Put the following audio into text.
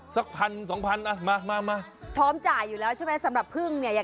สักพันสองพันมาท้อมจ่ายอยู่แล้วใช่ไหมสำหรับผึ้งเนี่ย